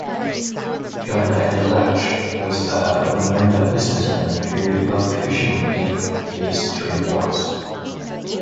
John A. Latsch was a Winona businessman who loved fishing beneath these three bluffs.